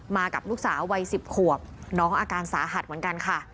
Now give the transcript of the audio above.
มากับลูกสาวไว้สิบขวพน้องการสาหัดเหมือนกันค่ะ